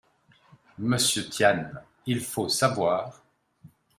Monsieur Tian, il faut savoir